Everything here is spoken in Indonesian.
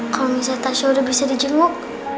kalau misalnya tasya udah bisa dijemuk